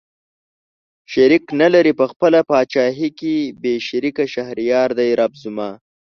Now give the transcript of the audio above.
شريک نه لري په خپله پاچاهۍ کې بې شريکه شهريار دئ رب زما